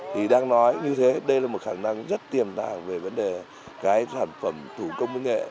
thì đang nói như thế đây là một khả năng rất tiềm tàng về vấn đề cái sản phẩm thủ công với nghệ